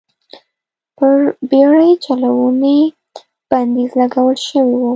پر بېړۍ چلونې بندیز لګول شوی و.